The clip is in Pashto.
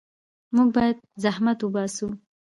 موږ باید زحمت وباسو.